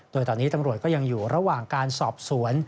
โดยตอนนี้ตำรวจก็ยังอยู่ระหว่างการสอบสวน